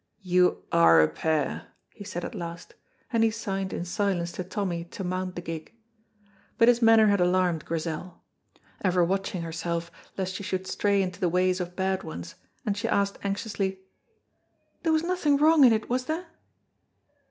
"You are a pair!" he said at last, and he signed in silence to Tommy to mount the gig. But his manner had alarmed Grizel, ever watching herself lest she should stray into the ways of bad ones, and she asked anxiously, "There was nothing wrong in it, was there?"